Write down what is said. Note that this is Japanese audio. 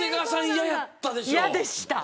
嫌でした。